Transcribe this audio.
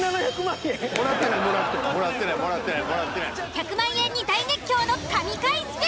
１００万円に大熱狂の神回ＳＰ！